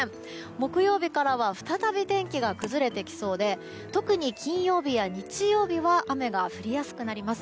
木曜日からは再び天気が崩れてきそうで特に金曜日や日曜日は雨が降りやすくなります。